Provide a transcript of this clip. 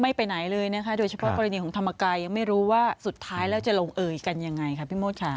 ไม่ไปไหนเลยนะคะโดยเฉพาะกองฤนิตของธรรมกายยังไม่รู้ว่าสุดท้ายแล้วก็จะลงเอกกันยังไงค่ะคุณโมชฉานั่ง